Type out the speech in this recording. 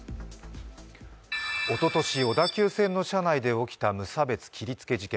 おととし、小田急線の車内で起きた無差別切りつけ事件。